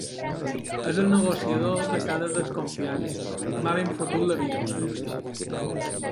És el negociador de cada desconfiança, m’ha ben fotut la vida, deia.